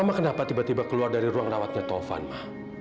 mama kenapa tiba tiba keluar dari ruang rawatnya tovan ma